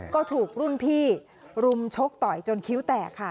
ก็ถูกรุ่นพี่รุมชกต่อยจนคิ้วแตกค่ะ